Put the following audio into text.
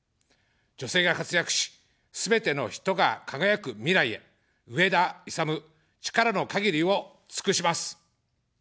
女性が活躍し、すべての人が輝く未来へ、上田いさむ、力の限りを尽くします。